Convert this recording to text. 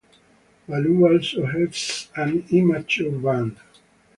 Balu also heads an immature band.